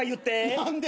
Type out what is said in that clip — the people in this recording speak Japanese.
何で！？